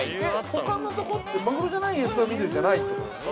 ◆ほかのとこってマグロじゃないやつは緑じゃないってことですか。